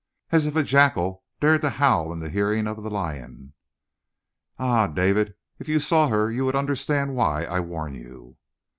As if a jackal had dared to howl in the hearing of the lion. "Ah, David, if you saw her you would understand why I warn you!"